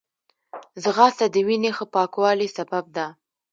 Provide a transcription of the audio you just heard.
ځغاسته د وینې ښه پاکوالي سبب ده